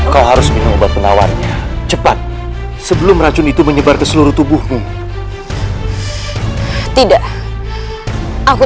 kau harus minum obat penawarnya cepat sebelum racun itu menyebar ke seluruh tubuhmu tidak aku